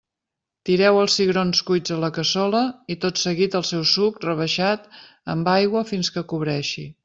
Tireu els cigrons cuits a la cassola, i tot seguit el seu suc rebaixat amb aigua fins que cobreixi.